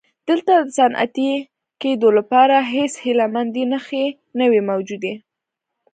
دلته د صنعتي کېدو لپاره هېڅ هیله مندۍ نښې نه وې موجودې.